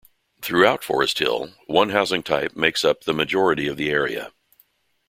Throughout Forest Hill, one housing type makes up the majority of the area.